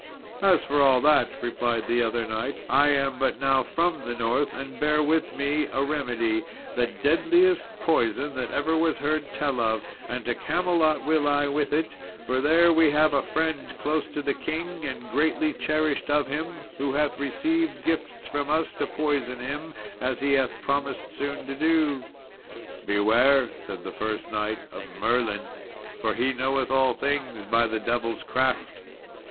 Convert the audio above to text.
"As for all that," replied the other knight, "I am but now from the north, and bear with me a remedy, the deadliest poison that ever was heard tell of, and to Camelot will I with it; for there we have a friend close to the king, and greatly cherished of him, who hath received gifts from us to poison him, as he hath promised soon to do." "Beware," said the first knight, "of Merlin, for he knoweth all things, by the devil's craft."